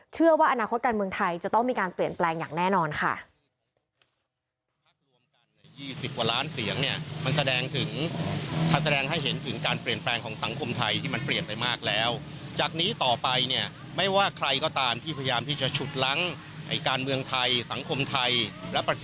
เชื่อว่าอนาคตการเมืองไทยจะต้องมีการเปลี่ยนแปลงอย่างแน่นอนค่ะ